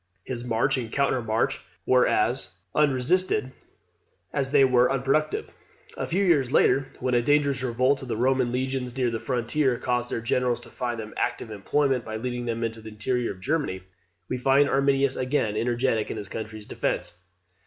His march and counter march were as unresisted as they were unproductive. A few years later, when a dangerous revolt of the Roman legions near the frontier caused their generals to find them active employment by leading them into the interior of Germany, we find Arminius again energetic in his country's defence.